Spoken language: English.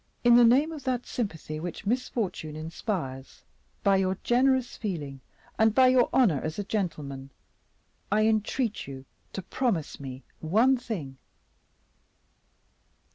"In the name of that sympathy which misfortune inspires, by your generous feeling, and by your honor as a gentleman, I entreat you to promise me one thing."